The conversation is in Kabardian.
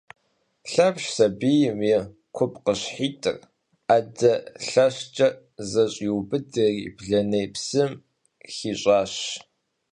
Лъэпщ сабийм и купкъыщхьитӏыр ӏэдэ лъэщкӏэ зэщӏиубыдэри блэней псым хищӏащ.